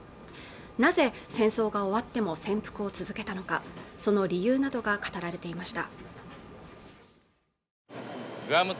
なぜ戦争が終わっても潜伏を続けたのかその理由などが語られていました